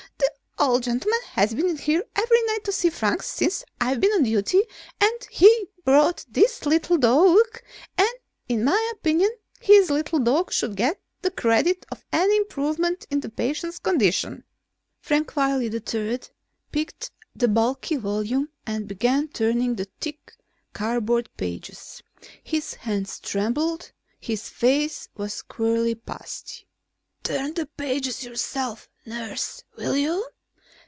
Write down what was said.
"The old gentleman has been in here every night to see Frank since I've been on duty and he brought his little dog, and in my opinion his little dog should get the credit of any improvement in the patient's condition." Frank Wiley III picked up the bulky volume and began turning the thick cardboard pages. His hands trembled; his face was queerly pasty. "Turn the pages yourself, nurse, will you?